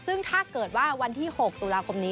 ซึ่งถ้าเกิดว่าวันที่๖ตุลาคมนี้